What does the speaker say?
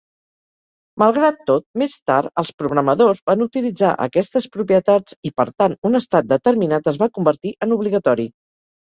Malgrat tot, més tard els programadors van utilitzar aquestes propietats i, per tant, un estat determinat es va convertir en obligatori.